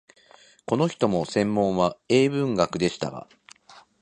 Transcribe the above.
この人も専門は英文学でしたが、